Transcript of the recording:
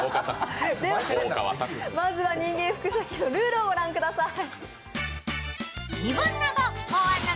まずは「人間複写機」のルールをご覧ください。